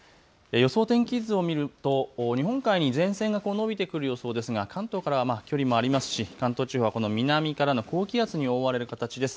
予想天気図を見ると日本海に前線が延びてくる予想ですが関東から距離もありますし、関東地方この南からの高気圧に覆われる形です。